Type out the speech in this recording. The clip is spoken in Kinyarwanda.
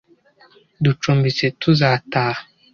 ducumbitse tuzataha